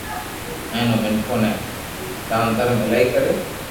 ھين او منيکون ني دان درم ايلائي ڪرتو